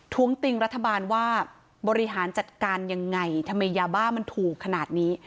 ้วงติงรัฐบาลว่าบริหารจัดการยังไงทำไมยาบ้ามันถูกขนาดนี้